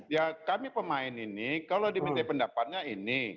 ya kami pemain ini kalau diminta pendapatnya ini